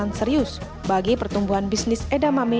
tapi menjadi hal yang serius bagi pertumbuhan bisnis edamame